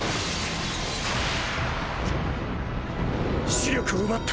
視力を奪った。